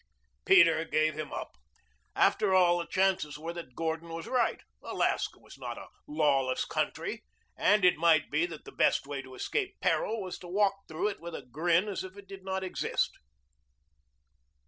Peter gave him up. After all, the chances were that Gordon was right. Alaska was not a lawless country. And it might be that the best way to escape peril was to walk through it with a grin as if it did not exist.